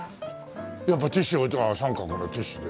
やっぱティッシュ置いて三角のティッシュで。